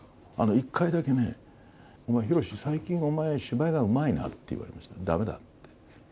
一回だけね、お前、ひろし、最近、お前、芝居がうまいなって言われました、だめだって。